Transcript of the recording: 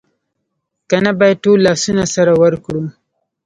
که نه باید ټول لاسونه سره ورکړو